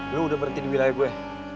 lo udah berhenti di wilayah gue